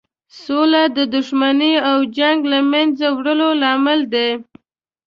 سوله د دښمنۍ او جنګ له مینځه وړلو لامل دی.